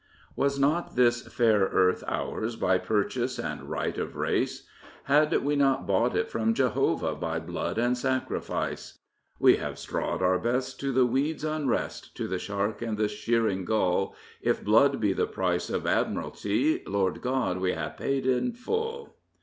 Was not this fair earth ours by purchase and right of race? Had we not bought it from Jehovah by blood and sacrifice? — We have strawed our best to the weed's unrest, To the shark and the sheenng gull. If blood be the pnce of admiralty, Lord God, we ha' paid m full.